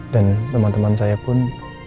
dan teman teman saya pun